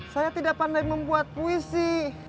saya tidak pandai membuat puisi